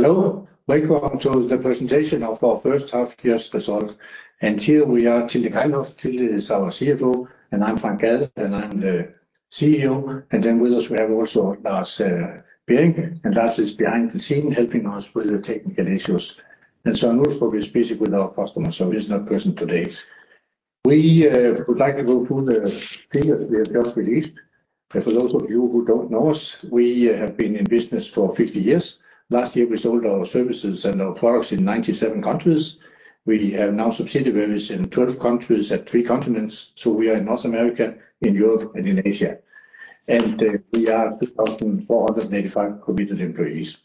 Hello, welcome to the presentation of our first half year's results. Here we are, Tilde Kejlhof. Tilde is our CFO, and I'm Frank Gad, and I'm the CEO. With us, we have also Lars Bering, and Lars is behind the scene helping us with the technical issues. And [Søren] is busy with our customers, so he's not present today. We would like to go through the figures we have just released. For those of you who don't know us, we have been in business for 50 years. Last year, we sold our services and our products in 97 countries. We have now subsidiary business in 12 countries and three continents, so we are in North America, in Europe, and in Asia. We have 2,485 committed employees.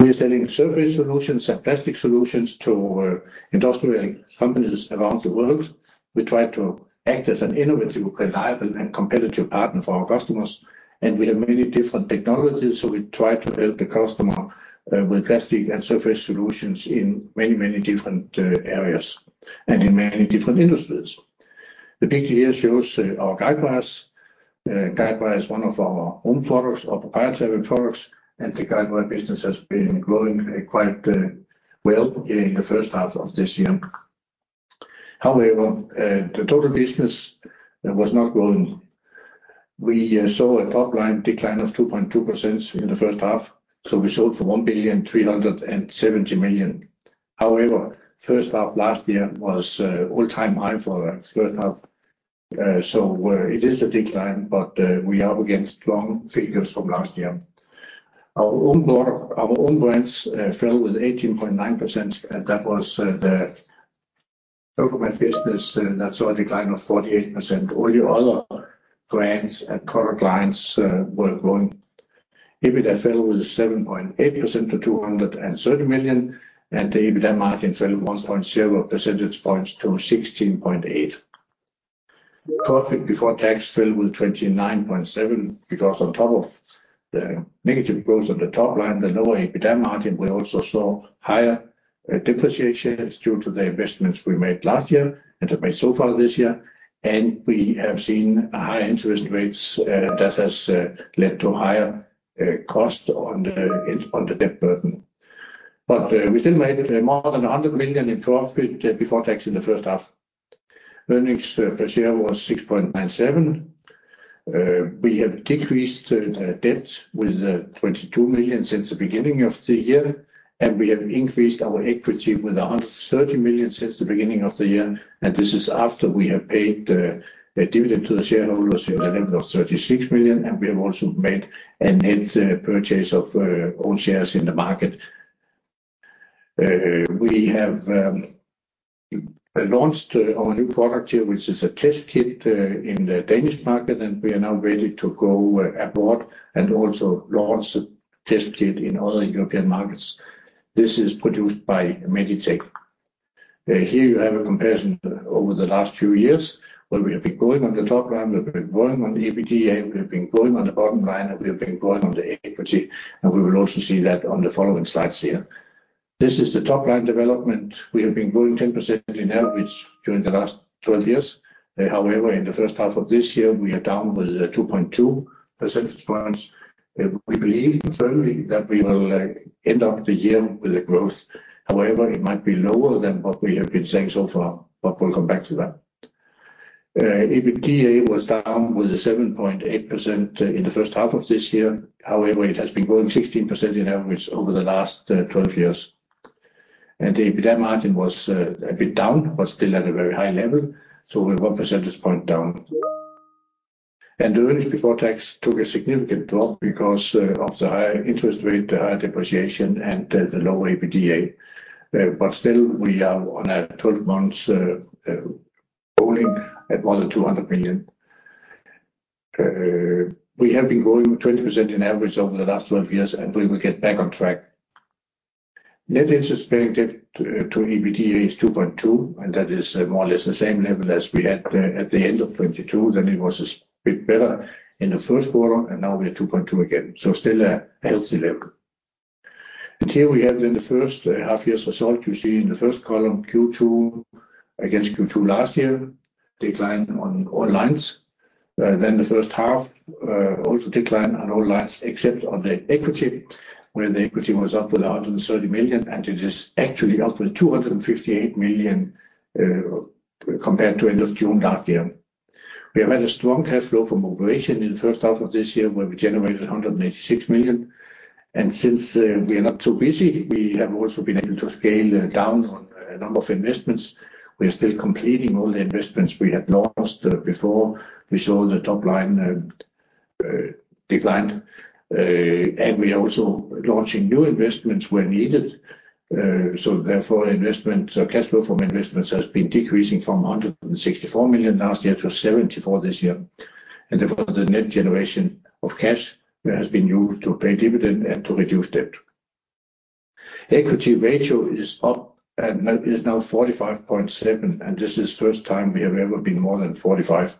We are selling surface solutions and plastic solutions to industrial companies around the world. We try to act as an innovative, reliable, and competitive partner for our customers. We have many different technologies, we try to help the customer with plastic and surface solutions in many, many different areas and in many different industries. The picture here shows our Guide Wires. Guide Wires is one of our own products, our proprietary products. The Guide Wires business has been growing quite well in the first half of this year. However, the total business was not growing. We saw a top line decline of 2.2% in the first half. We sold for 1,370,000,000. However, first half last year was all-time high for the third half. It is a decline, we are up against strong figures from last year. Our own brand, our own brands, fell with 18.9%, and that was the Ergomat business, and that saw a decline of 48%. All the other brands and product lines were growing. EBITDA fell with 7.8% to 230 million, and the EBITDA margin fell 1.0 percentage points to 16.8%. Profit before tax fell with 29.7%, because on top of the negative growth on the top line, the lower EBITDA margin, we also saw higher depreciations due to the investments we made last year and have made so far this year, and we have seen a high interest rates that has led to higher cost on the debt burden. We still made more than 100 million in profit before tax in the first half. Earnings per share was 6.97. We have decreased debt with 22 million since the beginning of the year, and we have increased our equity with 130 million since the beginning of the year, and this is after we have paid a dividend to the shareholders in the level of 36 million, and we have also made a net purchase of own shares in the market. We have launched our new product here, which is a test kit in the Danish market, and we are now ready to go abroad and also launch the test kit in other European markets. This is produced by Meditec. Here you have a comparison over the last two years, where we have been growing on the top line, we've been growing on the EBITDA, we've been growing on the bottom line, and we have been growing on the equity, and we will also see that on the following slides here. This is the top-line development. We have been growing 10% in average during the last 12 years. However, in the first half of this year, we are down with 2.2 percentage points. We believe firmly that we will end up the year with a growth. However, it might be lower than what we have been saying so far, but we'll come back to that. EBITDA was down with a 7.8% in the first half of this year. However, it has been growing 16% in average over the last 12 years. The EBITDA margin was a bit down, but still at a very high level, so we're 1 percentage point down. The earnings before tax took a significant drop because of the higher interest rate, the higher depreciation, and the lower EBITDA. Still, we are on a 12 months rolling at more than 200 million. We have been growing 20% in average over the last 12 years, and we will get back on track. Net interest payment to EBITDA is 2.2, and that is more or less the same level as we had at the end of 2022. It was a bit better in the first quarter, and now we're at 2.2 again. Still a healthy level. Here we have then the first half year's result. You see in the first column, Q2 against Q2 last year, decline on all lines. Then the first half also declined on all lines except on the equity, where the equity was up to 230 million, and it is actually up to 258 million compared to end of June last year. We have had a strong cash flow from operations in the first half of this year, where we generated 186 million. Since we are not too busy, we have also been able to scale down on a number of investments. We are still completing all the investments we had lost before we saw the top line declined. We are also launching new investments where needed. Therefore, investment, so cash flow from investments has been decreasing from 164 million last year to 74 million this year. Therefore, the net generation of cash has been used to pay dividend and to reduce debt. Equity ratio is up and is now 45.7%, and this is first time we have ever been more than 45%.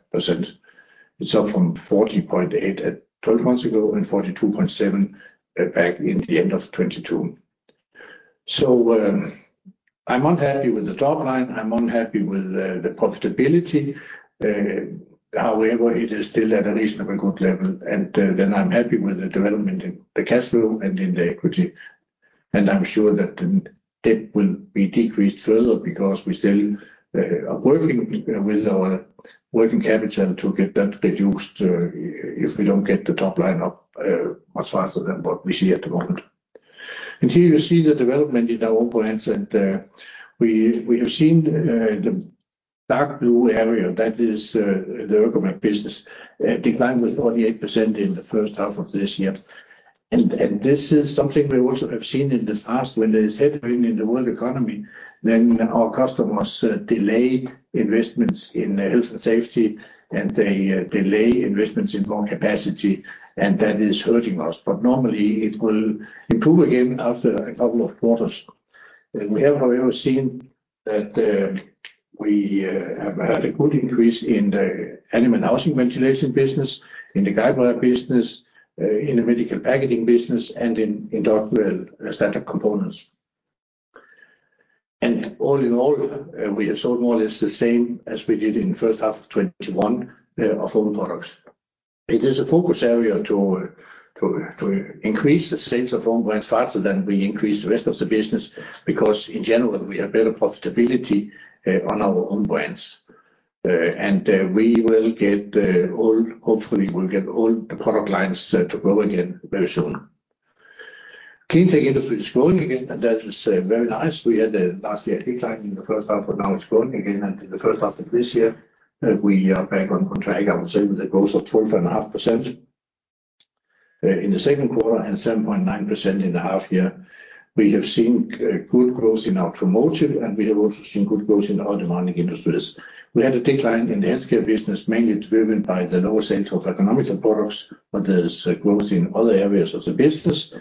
It's up from 40.8% at 12 months ago and 42.7% back in the end of 2022. I'm unhappy with the top line, I'm unhappy with the profitability. However, it is still at a reasonably good level, and then I'm happy with the development in the cash flow and in the equity. I'm sure that the debt will be decreased further because we still are working with our net working capital to get that reduced if we don't get the top line up much faster than what we see at the moment. Here you see the development in our own brands, and we have seen the dark blue area, that is the Ergomat business, decline with 48% in the first half of this year. This is something we also have seen in the past when there is headwind in the world economy, then our customers delay investments in health and safety, and they delay investments in more capacity, and that is hurting us. Normally, it will improve again after a couple of quarters. We have, however, seen that we have had a good increase in the animal housing ventilation business, in the Guide Wires business, in the medical packaging business, and in industrial standard components. All in all, we have sold more or less the same as we did in the first half of 2021 of own products. It is a focus area to, to, to increase the sales of own brands faster than we increase the rest of the business, because in general, we have better profitability on our own brands. We will get all-- hopefully, we'll get all the product lines to grow again very soon. Cleantech industry is growing again, and that is very nice. We had a last year a decline in the first half, but now it's growing again, in the first half of this year, we are back on track, I would say, with a growth of 12.5% in the second quarter and 7.9% in the half year. We have seen good growth in automotive, we have also seen good growth in other demanding industries. We had a decline in the healthcare business, mainly driven by the lower sales of ergonomic products, but there's a growth in other areas of the business,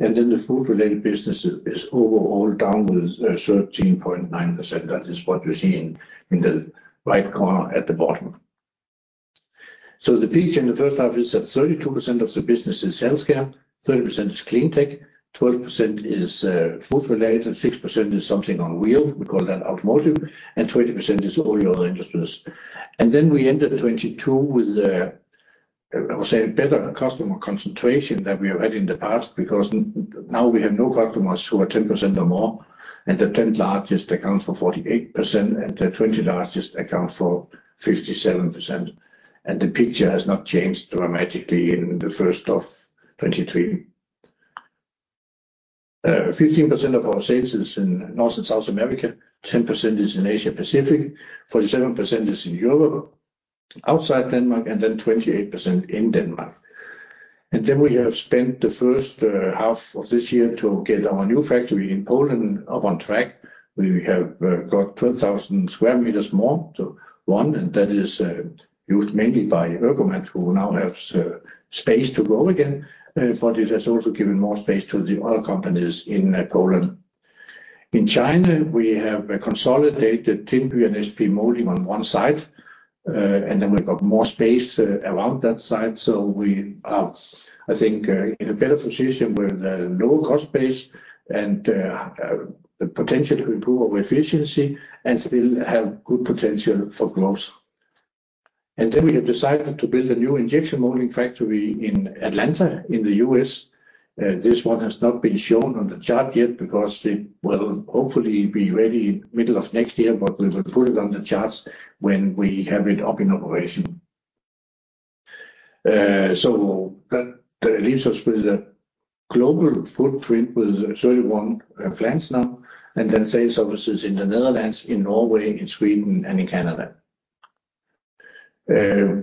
and then the food-related business is overall down with 13.9%. That is what you see in, in the right corner at the bottom. The picture in the first half is that 32% of the business is healthcare, 30% is Cleantech, 12% is food-related, and 6% is something on wheel, we call that automotive, and 20% is all your other industries. Then we ended 2022 with, I would say, a better customer concentration than we have had in the past, because now we have no customers who are 10% or more, and the 10th largest accounts for 48%, and the 20 largest account for 57%. The picture has not changed dramatically in the first of 2023. 15% of our sales is in North and South America, 10% is in Asia Pacific, 47% is in Europe, outside Denmark, and then 28% in Denmark. We have spent the first half of this year to get our new factory in Poland up on track. We have got 12,000 sq m more to run, and that is used mainly by Ergomat, who now has space to grow again, but it has also given more space to the other companies in Poland. In China, we have consolidated Tinby and SP Moulding on one site, and then we've got more space around that site. We are, I think, in a better position with a lower cost base and the potential to improve our efficiency and still have good potential for growth. We have decided to build a new injection molding factory in Atlanta, in the U.S. This one has not been shown on the chart yet because it will hopefully be ready middle of next year, but we will put it on the charts when we have it up in operation. That, that leaves us with a global footprint with 31 plants now, and then sales offices in the Netherlands, in Norway, in Sweden, and in Canada.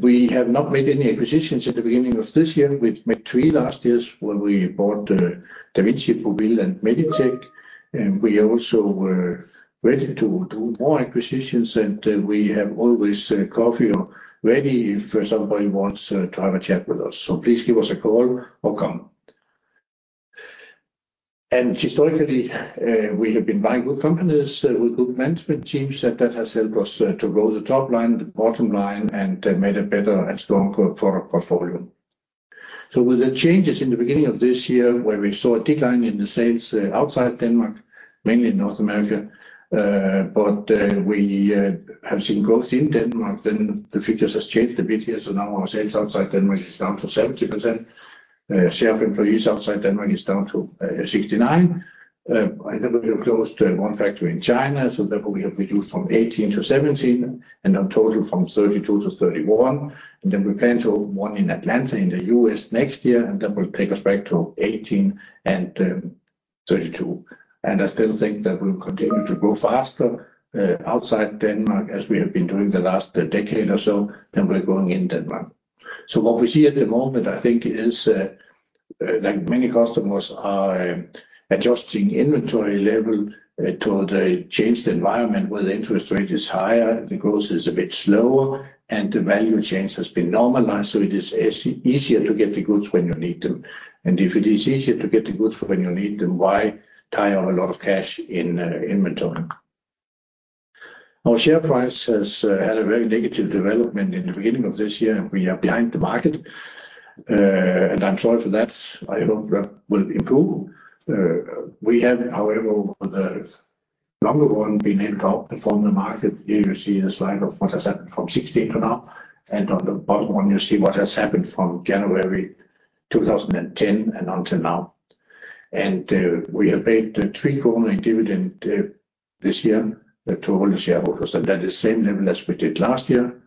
We have not made any acquisitions at the beginning of this year. We've made three last years when we bought Davinci, Paboco, and Meditec, and we also were ready to do more acquisitions, and we have always coffee or ready if somebody wants to have a chat with us. Please give us a call or come. Historically, we have been buying good companies with good management teams, and that has helped us to grow the top line, the bottom line, and made a better and stronger product portfolio. With the changes in the beginning of this year, where we saw a decline in the sales outside Denmark, mainly in North America, but we have seen growth in Denmark, then the figures has changed a bit here. Now our sales outside Denmark is down to 70%. Share of employees outside Denmark is down to 69%. And then we are close to one factory in China, so therefore, we have reduced from 18% to 17%, and on total from 32% to 31%. We plan to open one in Atlanta, in the US, next year, and that will take us back to 18% and 32%. I still think that we'll continue to grow faster outside Denmark, as we have been doing the last decade or so, than we're growing in Denmark. What we see at the moment, I think, is that many customers are adjusting inventory level toward a changed environment, where the interest rate is higher, the growth is a bit slower, and the value chain has been normalized, so it is easier to get the goods when you need them. If it is easier to get the goods for when you need them, why tie up a lot of cash in inventory? Our share price has had a very negative development in the beginning of this year, we are behind the market. I'm sorry for that. I hope that will improve. We have, however, over the longer run, been in top performer market. Here you see the slide of what has happened from 2016 to now, on the bottom one, you see what has happened from January 2010 and until now. We have paid the three growing dividend this year to all the shareholders, that is same level as we did last year,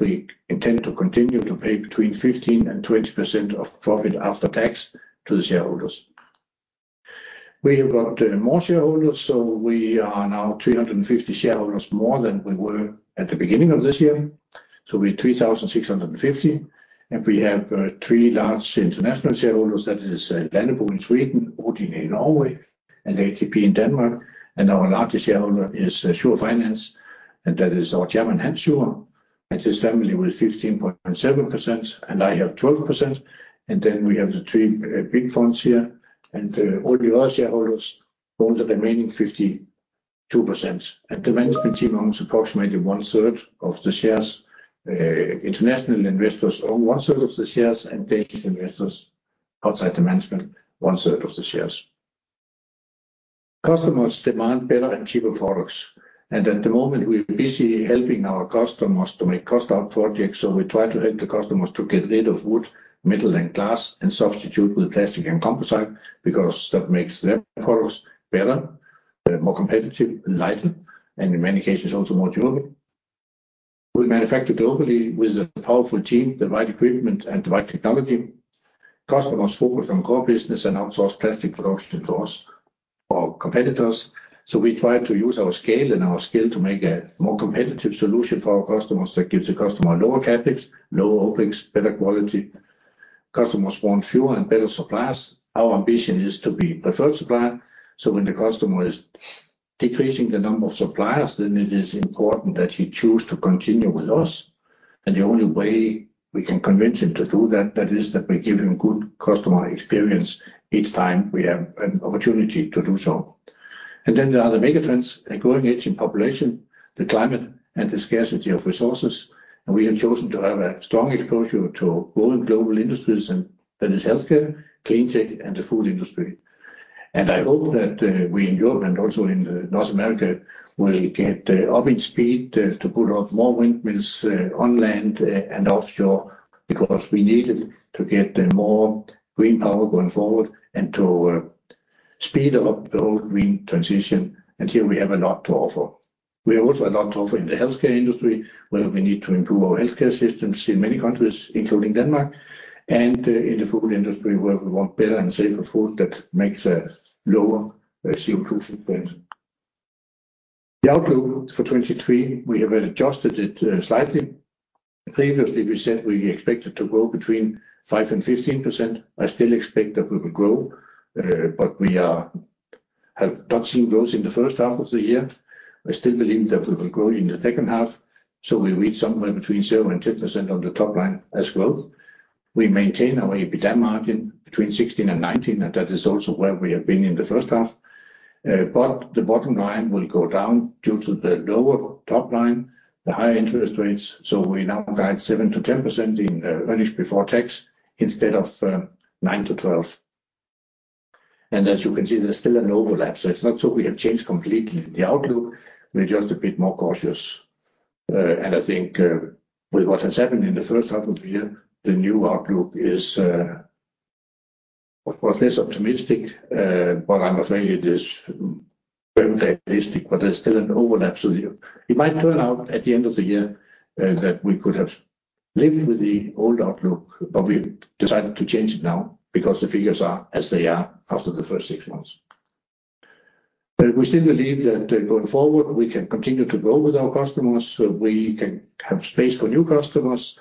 we intend to continue to pay between 15% and 20% of profit after tax to the shareholders. We have got more shareholders, we are now 350 shareholders, more than we were at the beginning of this year. We're 3,650, and we have three large international shareholders. That is Danfoss in Sweden, Odin in Norway, and ATP in Denmark. Our largest shareholder is Schur Finance, and that is our chairman, Hans Schur, and his family with 15.7%, and I have 12%, and then we have the three big funds here, and all the other shareholders own the remaining 52%. International investors own one third of the shares, and Danish investors outside the management, one third of the shares. Customers demand better and cheaper products. At the moment, we're busy helping our customers to make cost-out projects, so we try to help the customers to get rid of wood, metal, and glass, and substitute with plastic and composite, because that makes their products better, more competitive and lighter, and in many cases, also more durable. We manufacture globally with a powerful team, the right equipment, and the right technology. Customers focus on core business and outsource plastic production to us or competitors. We try to use our scale and our skill to make a more competitive solution for our customers, that gives the customer lower CapEx, lower OpEx, better quality. Customers want fewer and better suppliers. Our ambition is to be preferred supplier, so when the customer is decreasing the number of suppliers, then it is important that he choose to continue with us, and the only way we can convince him to do that, that is that we give him good customer experience each time we have an opportunity to do so. Then there are the mega trends, a growing aging population, the climate, and the scarcity of resources. We have chosen to have a strong exposure to growing global industries, and that is healthcare, Cleantech, and the food industry. I hope that we in Europe and also in North America, will get up in speed to put up more windmills on land and offshore, because we need it to get more green power going forward and to speed up the whole green transition, and here we have a lot to offer. We have also a lot to offer in the healthcare industry, where we need to improve our healthcare systems in many countries, including Denmark, and in the food industry, where we want better and safer food that makes a lower CO2 footprint. The outlook for 2023, we have adjusted it slightly. Previously, we said we expected to grow between 5% and 15%. I still expect that we will grow, we have not seen growth in the first half of the year. I still believe that we will grow in the second half, so we reach somewhere between 0% and 10% on the top line as growth. We maintain our EBITDA margin between 16% and 19%, and that is also where we have been in the first half. The bottom line will go down due to the lower top line, the higher interest rates, so we now guide 7%-10% in earnings before tax, instead of 9%-12%. As you can see, there's still an overlap, so it's not so we have changed completely the outlook. We're just a bit more cautious. I think, with what has happened in the first half of the year, the new outlook is, of course, less optimistic, but I'm afraid it is very realistic, but there's still an overlap. It might turn out at the end of the year that we could have lived with the old outlook, but we decided to change it now because the figures are as they are after the first six months. We still believe that, going forward, we can continue to grow with our customers, so we can have space for new customers.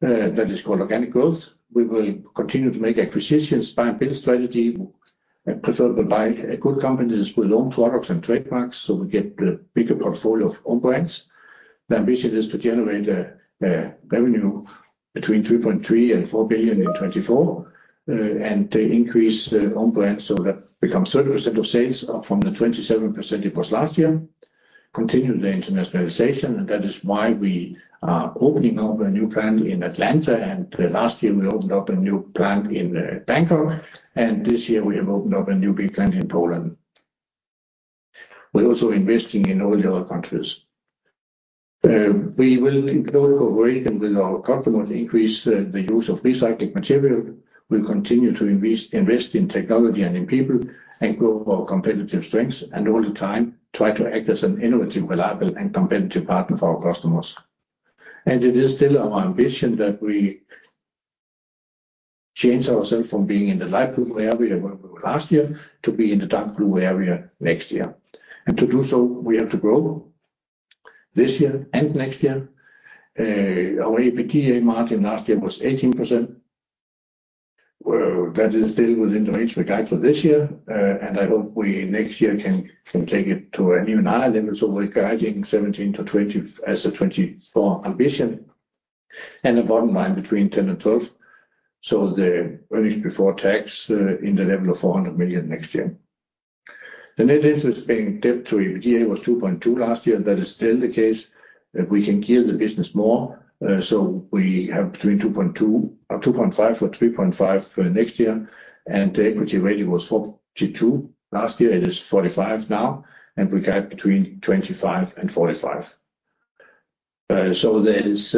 That is called organic growth. We will continue to make acquisitions, buy and build strategy, and prefer to buy good companies with own products and trademarks, so we get a bigger portfolio of own brands. The ambition is to generate revenue between 3.3 billion and 4 billion in 2024 and to increase the own brands, so that becomes 30% of sales from the 27% it was last year. Continue the internationalization, that is why we are opening up a new plant in Atlanta, last year, we opened up a new plant in Bangkok, and this year, we have opened up a new big plant in Poland. We're also investing in all the other countries. We will include cooperation with our customers, increase the, the use of recycled material. We'll continue to invest, invest in technology and in people, and grow our competitive strengths, and all the time, try to act as an innovative, reliable, and competitive partner for our customers. It is still our ambition that we change ourselves from being in the light blue area, where we were last year, to be in the dark blue area next year. To do so, we have to grow this year and next year. Our EBITDA margin last year was 18%. That is still within the range we guide for this year, and I hope we next year can, can take it to an even higher level, so we're guiding 17%-20% as the 2024 ambition. The bottom line between 10%-12%. The earnings before tax in the level of 400 million next year. The net interest paying debt to EBITDA was 2.2 last year, and that is still the case, that we can gear the business more. We have between 2.2, or 2.5, or 3.5 for next year. The equity ratio was 42% last year, it is 45% now, and we guide between 25%-45%. There is,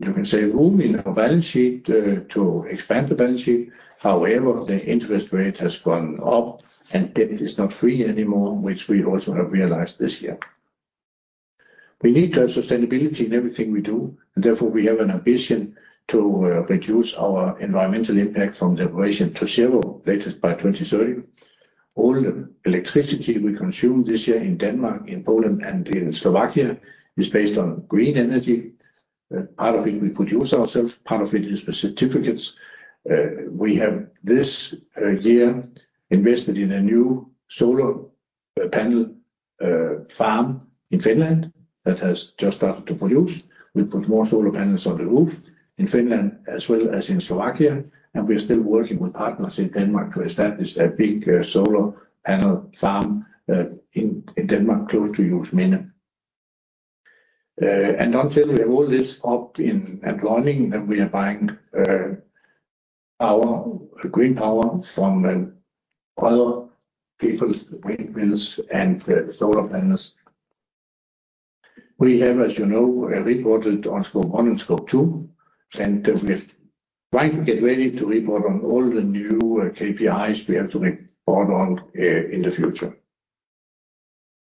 you can say, room in our balance sheet to expand the balance sheet. However, the interest rate has gone up, and debt is not free anymore, which we also have realized this year. We need to have sustainability in everything we do, and therefore, we have an ambition to reduce our environmental impact from the operation to zero, latest by 2030. All the electricity we consume this year in Denmark, in Poland, and in Slovakia is based on green energy. Part of it we produce ourselves, part of it is with certificates. We have this year invested in a new solar panel farm in Finland that has just started to produce. We put more solar panels on the roof in Finland as well as in Slovakia, and we are still working with partners in Denmark to establish a big solar panel farm in, in Denmark, close to Juelsminde. Until we have all this up and running, then we are buying power, green power from other people's windmills and solar panels. We have, as you know, reported on Scope 1 and Scope 2, and we are trying to get ready to report on all the new KPIs we have to report on in the future.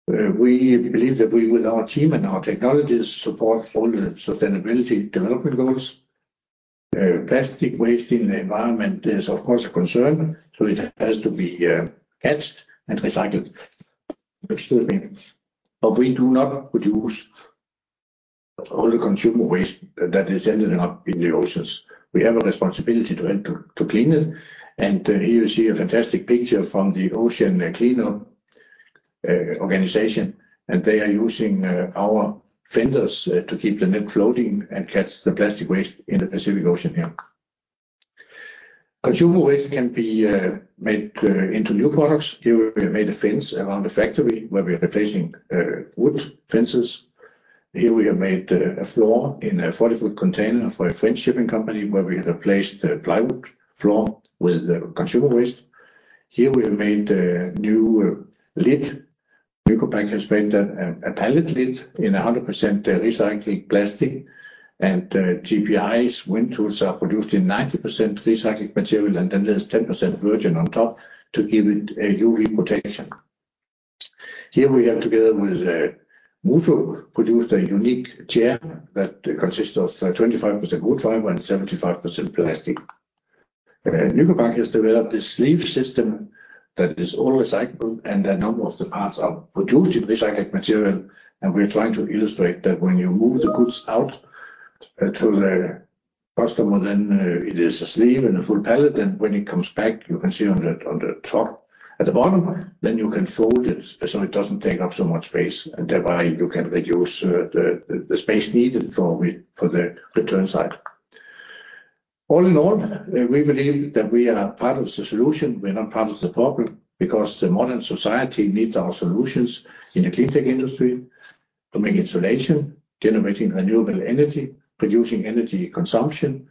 We believe that we, with our team and our technologies, support all the Sustainable Development Goals. Plastic waste in the environment is, of course, a concern, so it has to be catched and recycled, understood. We do not produce all the consumer waste that is ending up in the oceans. We have a responsibility to help to, to clean it, and here you see a fantastic picture from The Ocean Cleanup organization, and they are using our fenders to keep the net floating and catch the plastic waste in the Pacific Ocean here. Consumer waste can be made into new products. Here, we made a fence around the factory, where we are replacing wood fences. Here, we have made a floor in a 40-foot container for a French shipping company, where we have replaced the plywood floor with consumer waste. Here, we have made a new lid. Nycopac has made a pallet lid in 100% recycled plastic, and TPI's wind tools are produced in 90% recycled material, and then there's 10% virgin on top to give it a UV protection. Here we have, together with Muuto, produced a unique chair that consists of 25% wood fiber and 75% plastic. Nycopac has developed this sleeve system that is all recyclable, and a number of the parts are produced in recycled material, and we're trying to illustrate that when you move the goods out to the customer, then it is a sleeve and a full pallet, and when it comes back, you can see on the top, at the bottom, then you can fold it, so it doesn't take up so much space, and thereby you can reduce the space needed for the return side. All in all, we believe that we are part of the solution, we're not part of the problem, because the modern society needs our solutions in the Cleantech industry to make insulation, generating renewable energy, reducing energy consumption,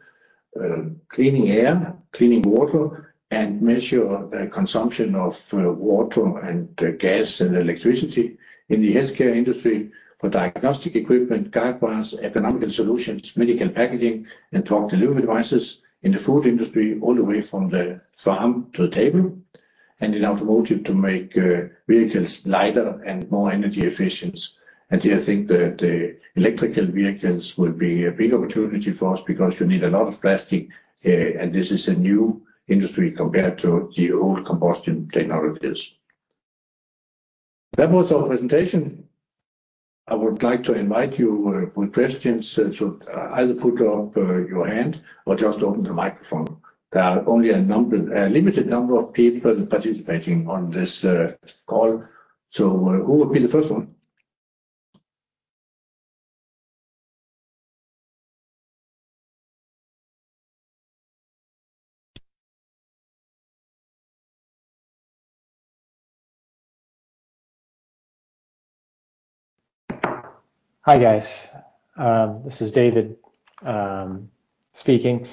cleaning air, cleaning water, and measure consumption of water, and gas, and electricity. In the healthcare industry, for diagnostic equipment, Guide Wires, ergonomic solutions, medical packaging, and drug-to-lung devices. In the food industry, all the way from the farm to the table, in automotive to make vehicles lighter and more energy efficient. Here, I think that the electrical vehicles will be a big opportunity for us, because you need a lot of plastic, and this is a new industry compared to the old combustion technologies. That was our presentation. I would like to invite you with questions, so either put up your hand or just open the microphone. There are only a number, a limited number of people participating on this call. Who would be the first one? Hi, guys. This is David, speaking.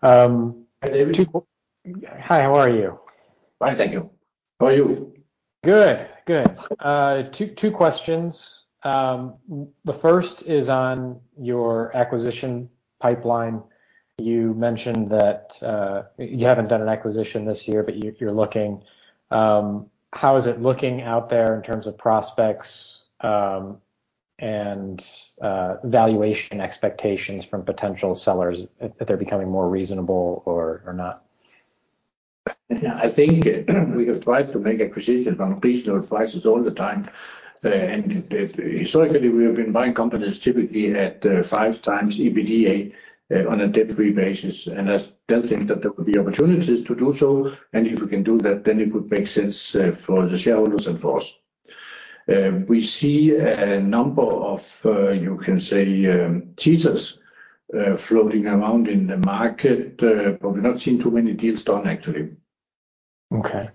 Hi, David. Hi, how are you? Fine, thank you. How are you? Good. Good. two, two questions. The first is on your acquisition pipeline. You mentioned that you haven't done an acquisition this year, but you, you're looking. How is it looking out there in terms of prospects, and valuation expectations from potential sellers, if they're becoming more reasonable or, or not? Yeah, I think we have tried to make acquisitions on reasonable prices all the time. Historically, we have been buying companies typically at five times EBITDA on a debt-free basis, and I still think that there will be opportunities to do so, and if we can do that, then it would make sense for the shareholders and for us. We see a number of, you can say, teasers, floating around in the market, but we've not seen too many deals done, actually. Okay.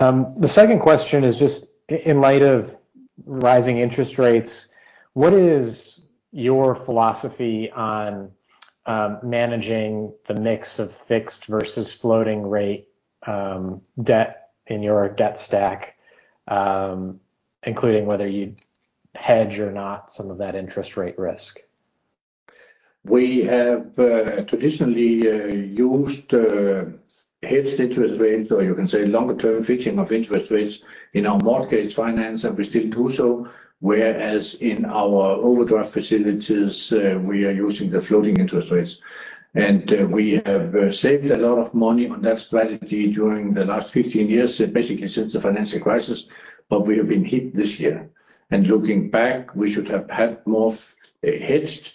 The second question is just in light of rising interest rates, what is your philosophy on managing the mix of fixed versus floating rate, debt in your debt stack, including whether you hedge or not some of that interest rate risk? We have traditionally used hedged interest rates, or you can say longer-term fixing of interest rates in our mortgage finance, and we still do so. Whereas in our overdraft facilities, we are using the floating interest rates. We have saved a lot of money on that strategy during the last 15 years, basically since the financial crisis, but we have been hit this year. Looking back, we should have had more hedged.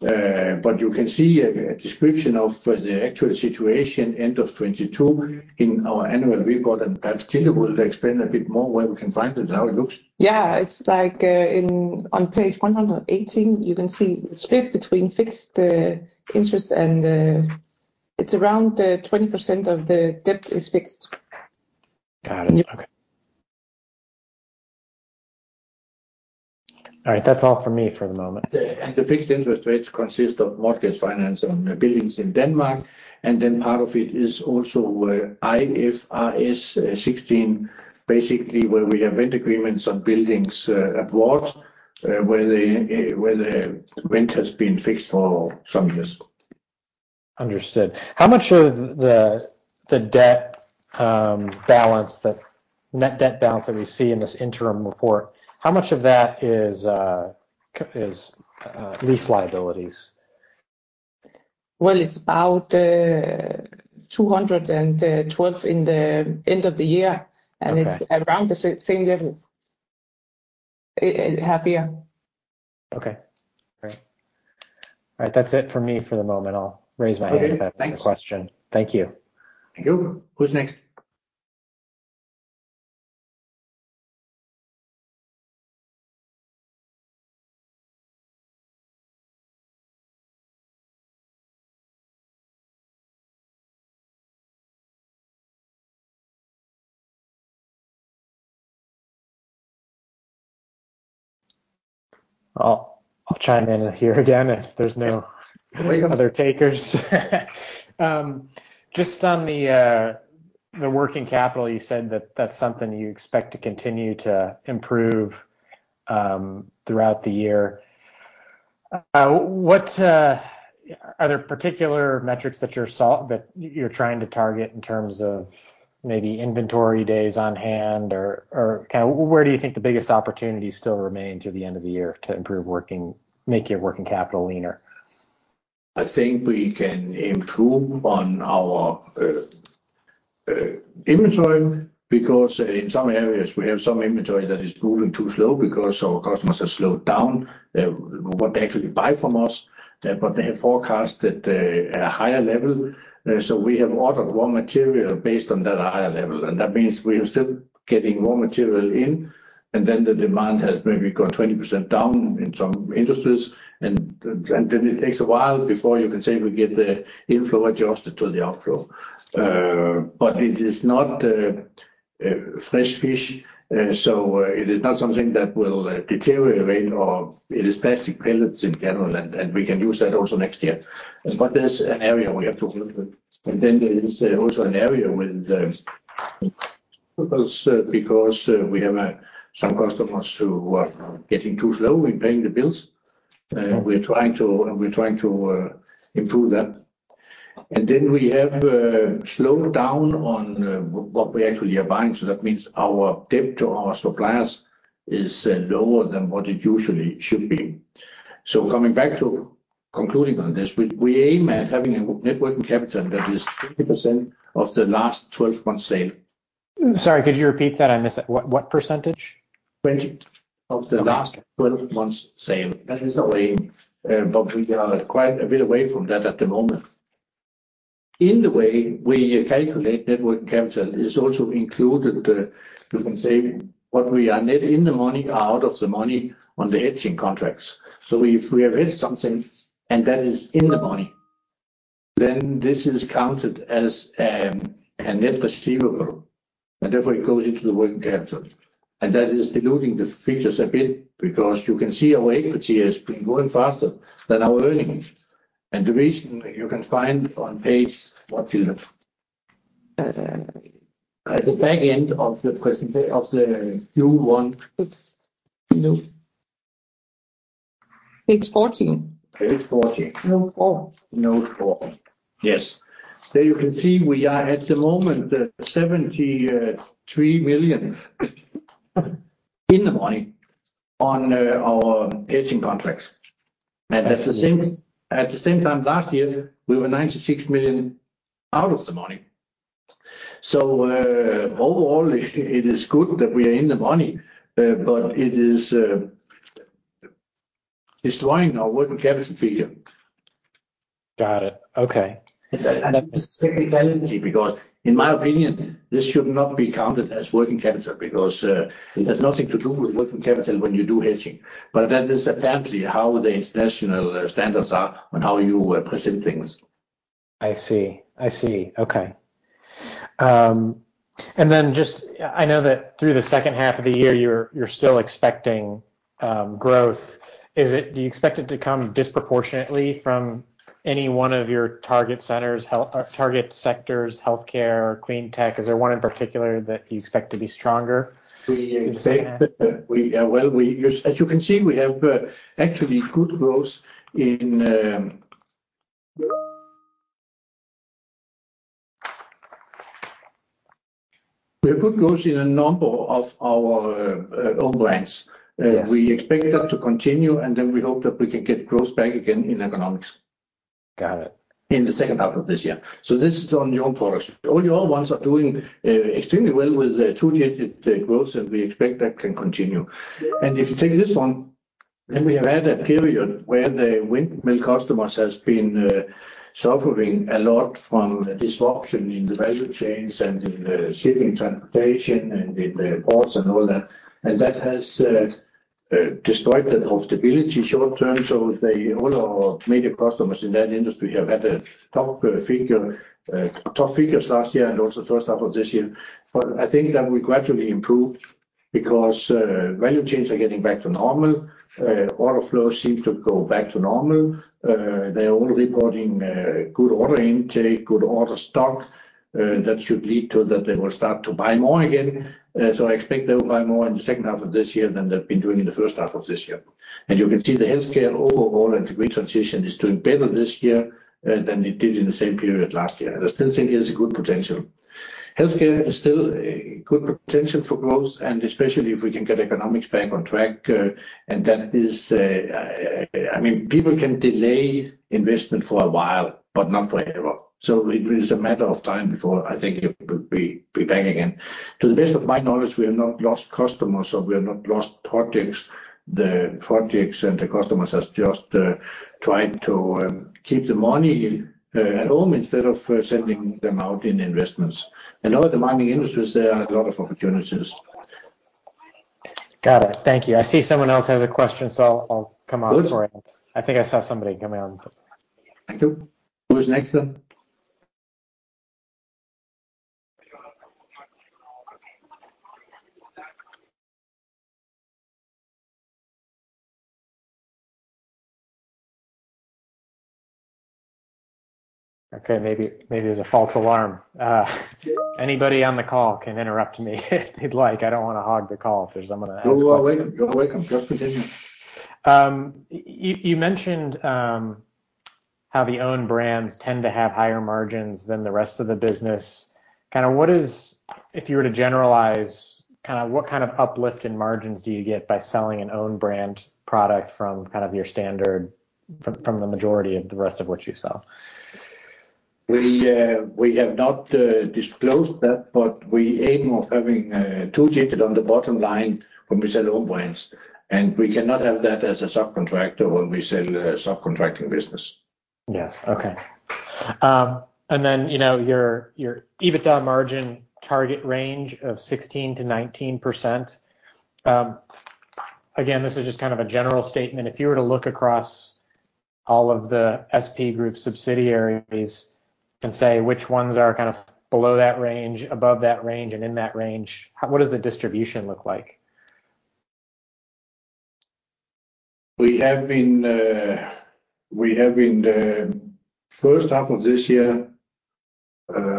You can see a description of the actual situation end of 2022 in our annual report, and perhaps Tilde will explain a bit more where we can find it and how it looks. Yeah, it's like, on page 118, you can see the split between fixed, interest and, it's around, 20% of the debt is fixed. Got it. Okay. All right, that's all for me for the moment. The fixed interest rates consist of mortgage finance on buildings in Denmark, and then part of it is also, IFRS 16, basically, where we have rent agreements on buildings abroad, where the rent has been fixed for some years. Understood. How much of the, the debt, balance, that net debt balance that we see in this interim report, how much of that is, is, lease liabilities? Well, it's about 212 in the end of the year. Okay. It's around the same level, half year. Okay. Great. All right, that's it for me for the moment. I'll raise my hand- Okay. Thanks. -if I have a question. Thank you. Thank you. Who's next? I'll, I'll chime in here again, if there's no- Welcome. -other takers. Just on the working capital, you said that that's something you expect to continue to improve throughout the year. Are there particular metrics that you're that you're trying to target in terms of maybe inventory days on hand or, or kind of where do you think the biggest opportunities still remain through the end of the year to improve working, make your working capital leaner? I think we can improve on our inventory, because in some areas we have some inventory that is moving too slow because our customers have slowed down what they actually buy from us. They have forecasted a higher level, so we have ordered raw material based on that higher level, that means we are still getting raw material in, the demand has maybe gone 20% down in some industries. It takes a while before you can say we get the inflow adjusted to the outflow. It is not fresh fish, so it is not something that will deteriorate, or it is plastic pellets in general, we can use that also next year. That's an area we have to improve it. Then there is also an area with the ripples, because we have some customers who are getting too slow in paying the bills. We're trying to, we're trying to improve that. We have slowed down on what we actually are buying, so that means our debt to our suppliers is lower than what it usually should be. Coming back to concluding on this, we, we aim at having a net working capital that is 20% of the last 12 months' sale. Sorry, could you repeat that? I missed that. What, what percentage? 20 of the last 12 months' sale. That is our aim, but we are quite a bit away from that at the moment. In the way we calculate net working capital is also included, you can say, what we are net in the money or out of the money on the hedging contracts. If we have hedged something and that is in the money, then this is counted as, a net receivable, and therefore it goes into the working capital. That is diluting the figures a bit because you can see our equity has been growing faster than our earnings. The reason you can find on page... What page is it? At the back end of the Q1. It's, you know, page 14. Page 14. Note four. Note four. Yes. There you can see we are at the moment, 73 million in the money on our hedging contracts. At the same time last year, we were 96 million out of the money. Overall, it, it is good that we are in the money, but it is destroying our working capital figure. Got it. Okay. That's technicality, because in my opinion, this should not be counted as working capital, because it has nothing to do with working capital when you do hedging. That is apparently how the international standards are and how you present things. I see. I see. Okay. just, I know that through the second half of the year, you're, you're still expecting, growth. Do you expect it to come disproportionately from any one of your target centers, target sectors, healthcare, Cleantech? Is there one in particular that you expect to be stronger? We say that we... Well, as you can see, we have actually good growth in, we have good growth in a number of our own brands. Yes. We expect that to continue. We hope that we can get growth back again in Ergonomics. Got it. In the second half of this year. This is on your own products. All your ones are doing extremely well with the two-digit growth, and we expect that can continue. If you take this one, then we have had a period where the windmill customers has been suffering a lot from the disruption in the value chains and in the shipping, transportation, and in the ports and all that. That has destroyed the stability short term. So they-- all our major customers in that industry have had a top figure, top figures last year and also first half of this year. I think that will gradually improve because value chains are getting back to normal, order flows seem to go back to normal. They're all reporting, good order intake, good order stock, that should lead to that they will start to buy more again. I expect they will buy more in the second half of this year than they've been doing in the first half of this year. You can see the healthcare overall integration is doing better this year than it did in the same period last year. I still think there's a good potential. Healthcare is still a good potential for growth, especially if we can get Ergonomics back on track, that is, I mean, people can delay investment for a while, but not forever. It, it's a matter of time before I think it will be, be back again. To the best of my knowledge, we have not lost customers, so we have not lost projects. The projects and the customers has just tried to keep the money at home instead of sending them out in investments. In all the mining industries, there are a lot of opportunities. Got it. Thank you. I see someone else has a question, so I'll come on for it. Good. I think I saw somebody come in. Thank you. Who's next, then? Okay, maybe, maybe it was a false alarm. Anybody on the call can interrupt me if they'd like. I don't want to hog the call if there's someone that has a question. You're welcome. You're welcome. Just continue. You mentioned how the own brands tend to have higher margins than the rest of the business. If you were to generalize, what kind of uplift in margins do you get by selling an own brand product from your standard, from the majority of the rest of what you sell? We have not disclosed that, but we aim of having two-digit on the bottom line when we sell own brands, and we cannot have that as a subcontractor when we sell subcontracting business. Yes. Okay. Then, you know, your, your EBITDA margin target range of 16%-19%, again, this is just kind of a general statement. If you were to look across all of the SP Group subsidiaries and say which ones are kind of below that range, above that range, and in that range, what does the distribution look like? We have been, we have been the first half of this year,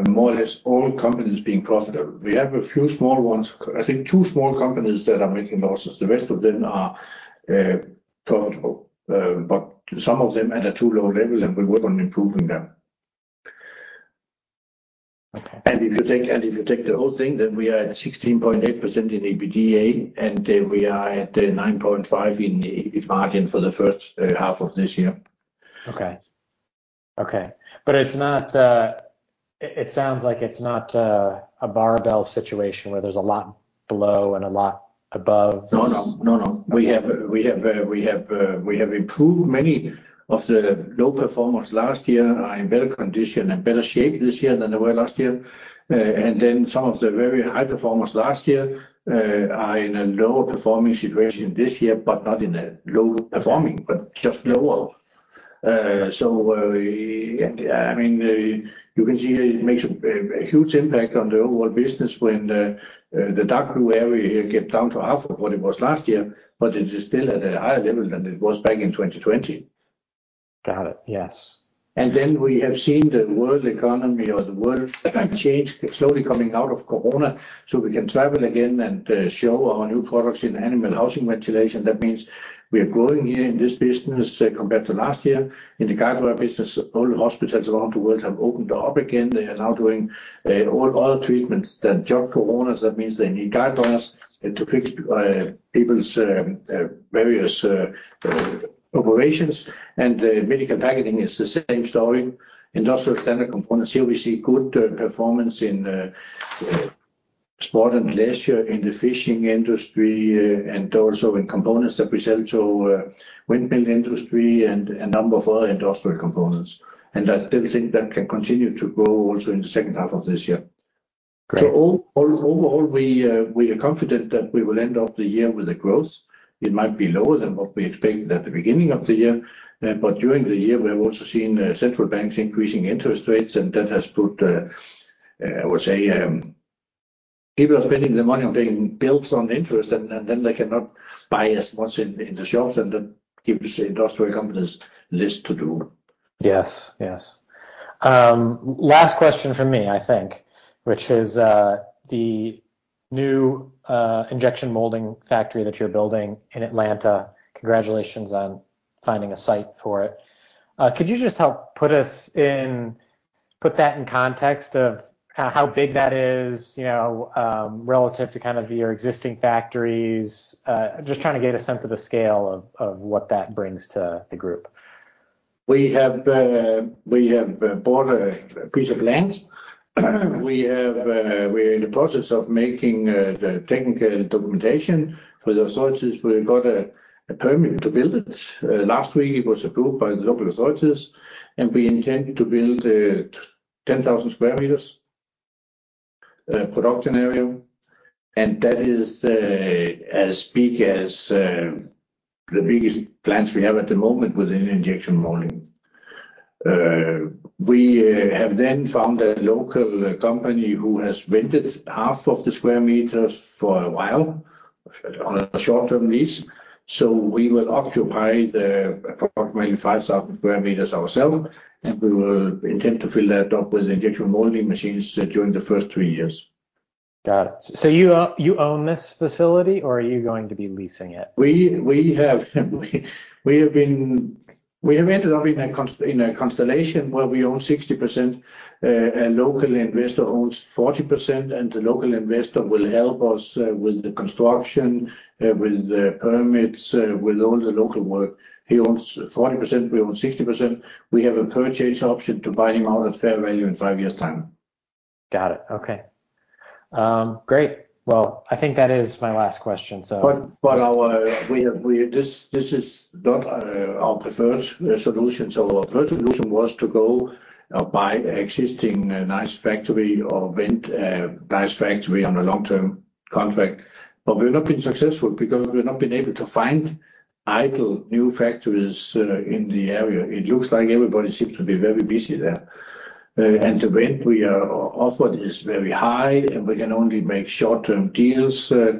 more or less all companies being profitable. We have a few small ones, I think two small companies that are making losses. The rest of them are profitable, but some of them at a too low level, and we work on improving them. Okay. If you take the whole thing, then we are at 16.8% in EBITDA, and then we are at 9.5 in EBIT margin for the 1st half of this year. Okay. Okay. It's not. It sounds like it's not a barbell situation where there's a lot below and a lot above. No, no. No, no. We have, we have, we have, we have improved many of the low performers last year, are in better condition and better shape this year than they were last year. Some of the very high performers last year, are in a lower performing situation this year, but not in a low performing, but just lower. Yeah, I mean, you can see it makes a, a huge impact on the overall business when the dark blue area here get down to half of what it was last year, but it is still at a higher level than it was back in 2020. Got it. Yes. We have seen the world economy or the world change, slowly coming out of COVID-19, so we can travel again and show our new products in animal housing ventilation. That means we are growing here in this business compared to last year. In the Guide Wires business, all hospitals around the world have opened up again. They are now doing all treatments than just COVID-19. That means they need Guide Wires and to fix people's various operations. The medical packaging is the same story. Industrial standard components, here we see good performance in sport and leisure, in the fishing industry, and also in components that we sell to windmill industry and a number of other industrial components. I still think that can continue to grow also in the second half of this year. Great. Overall, we are confident that we will end up the year with a growth. It might be lower than what we expected at the beginning of the year, but during the year, we have also seen central banks increasing interest rates, and that has put, I would say, people are spending their money on paying bills on interest, and then they cannot buy as much in the shops, and that gives the industrial companies less to do. Yes. Yes. Last question from me, I think, which is the new injection molding factory that you're building in Atlanta. Congratulations on finding a site for it. Could you just help put us in, put that in context of how big that is, you know, relative to kind of your existing factories? Just trying to get a sense of the scale of what that brings to the group. We have, we have bought a piece of land. We have, we're in the process of making the technical documentation for the authorities. We got a permit to build it. Last week, it was approved by the local authorities. We intend to build a 10,000 sq m production area. That is the as big as the biggest plants we have at the moment within injection molding. We have then found a local company who has rented half of the square meters for a while on a short-term lease, so we will occupy the approximately 5,000 sq m ourselves. We will intend to fill that up with injection molding machines during the first three years. Got it. You own this facility, or are you going to be leasing it? We, we have, we, we have been-- we have ended up in a constellation where we own 60%, a local investor owns 40%. The local investor will help us with the construction, with the permits, with all the local work. He owns 40%, we own 60%. We have a purchase option to buy him out at fair value in five years time. Got it. Okay. Great! Well, I think that is my last question. Our... We have-- we, this, this is not our preferred solution. Our preferred solution was to go buy existing nice factory or rent a nice factory on a long-term contract, but we've not been successful because we've not been able to find idle new factories in the area. It looks like everybody seems to be very busy there. And the rent we are offered is very high, and we can only make short-term deals, and,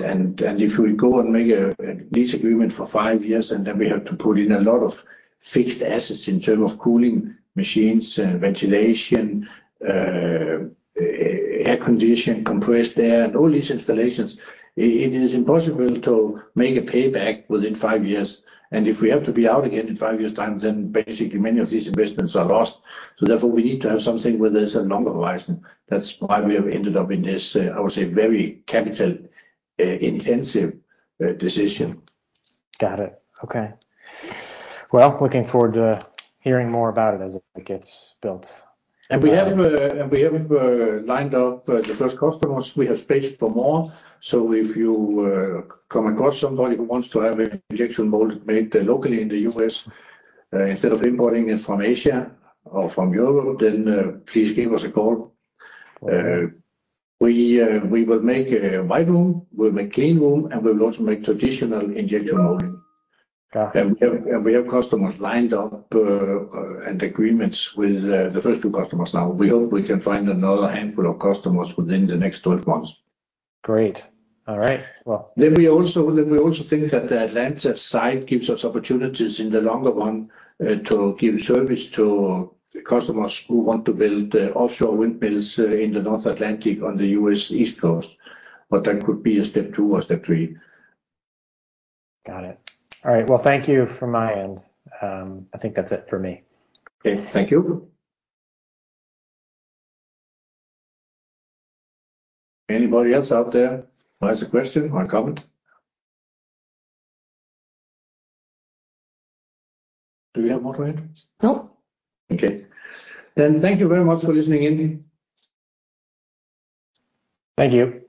and, and if we go and make a lease agreement for five years, and then we have to put in a lot of fixed assets in terms of cooling machines, ventilation, air conditioning, compressed air, and all these installations, it, it is impossible to make a payback within five years. If we have to be out again in five years' time, then basically many of these investments are lost. Therefore, we need to have something where there's a longer horizon. That's why we have ended up in this, I would say, very capital intensive decision. Got it. Okay. Well, looking forward to hearing more about it as it gets built. We have lined up the first customers. We have space for more. If you come across somebody who wants to have an injection molding made locally in the U.S., instead of importing it from Asia or from Europe, please give us a call. We will make a white room, we'll make clean room, and we will also make traditional injection molding. Got it. We have customers lined up, and agreements with the first two customers now. We hope we can find another handful of customers within the next 12 months. Great. All right. We also think that the Atlanta site gives us opportunities in the longer run, to give service to customers who want to build offshore windmills in the North Atlantic on the U.S. East Coast. That could be a step two or step three. Got it. All right, well, thank you from my end. I think that's it for me. Okay. Thank you. Anybody else out there who has a question or a comment? Do we have more to add? No. Okay. Thank you very much for listening in. Thank you.